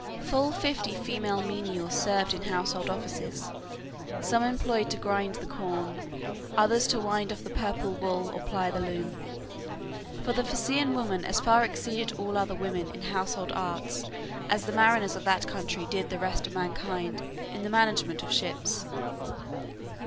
Full fifty female menials served in household offices, some employed to grind the corn, others to wind off the purple wool or ply the loom. For the Phaeacian women as far exceeded all other women in household arts as the mariners of that country did the rest of mankind in the management of ships.